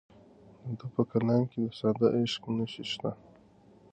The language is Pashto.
د ده په کلام کې د ساده عشق نښې شته.